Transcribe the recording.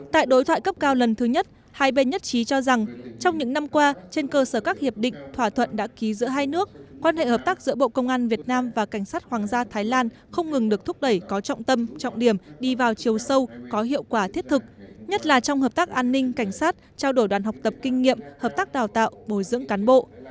tại đối thoại cấp cao lần thứ nhất hai bên nhất trí cho rằng trong những năm qua trên cơ sở các hiệp định thỏa thuận đã ký giữa hai nước quan hệ hợp tác giữa bộ công an việt nam và cảnh sát hoàng gia thái lan không ngừng được thúc đẩy có trọng tâm trọng điểm đi vào chiều sâu có hiệu quả thiết thực nhất là trong hợp tác an ninh cảnh sát trao đổi đoàn học tập kinh nghiệm hợp tác đào tạo bồi dưỡng cán bộ